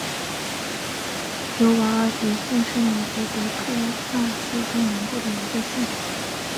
尤瓦尔迪县是美国德克萨斯州南部的一个县。